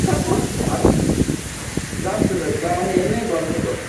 মোশাররফ করিমের বিপরীতে কাজ করছেন একই পরিচালকের সেলফি নামের আরেকটি নাটকে।